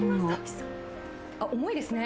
重いですね。